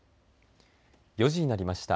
４時になりました。